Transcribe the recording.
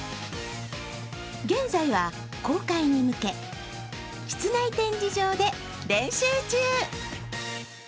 現在は公開に向け、室内展示場で練習中。